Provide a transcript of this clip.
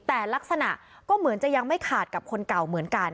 แต่ลักษณะก็เหมือนจะยังไม่ขาดกับคนเก่าเหมือนกัน